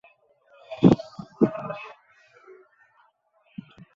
সাধারণ দাসীর পক্ষে তোমার সন্তানদের ছাড়িয়া অপরের ছেলের ভার লইতে কিছুমাত্র কষ্ট হইবে না।